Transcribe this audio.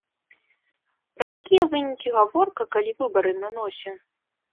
Пра якія вынікі гаворка, калі выбары на носе!